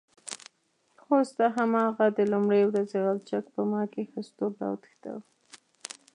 هو ستا هماغه د لومړۍ ورځې غلچک په ما کې ښځتوب راوتخناوه.